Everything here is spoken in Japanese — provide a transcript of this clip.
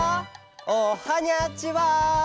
おはにゃちは！